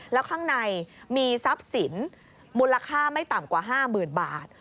แล้วข้างในมีทรัพย์สินมูลค่าไม่ต่ำกว่า๕๐๐๐บาท